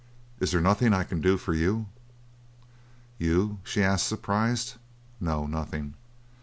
Is there nothing I can do for you?" "You?" she asked, surprised. "No, nothing."